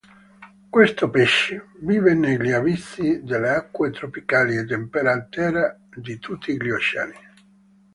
Questo pesce vive negli abissi delle acque tropicali e temperate di tutti gli oceani.